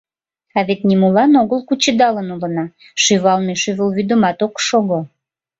А вет нимолан огыл кучедалын улына: шӱвалме шӱвылвӱдымат ок шого.